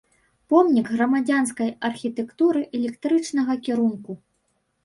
Помнік грамадзянскай архітэктуры эклектычнага кірунку.